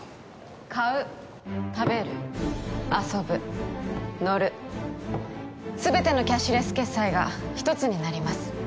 買う食べる遊ぶ乗る全てのキャッシュレス決済が一つになります